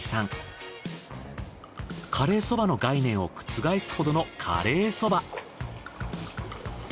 カレー蕎麦の概念を覆すほどのカレー蕎麦。